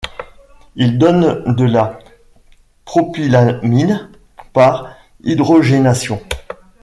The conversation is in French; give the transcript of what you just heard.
Il donne de la propylamine par hydrogénation.